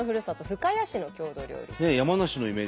深谷市の郷土料理。